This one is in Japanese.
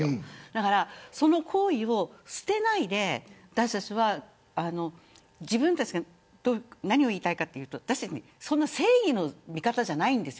だから、その行為を捨てないで私たちは自分たちが何を言いたいかというと正義の味方じゃないんです。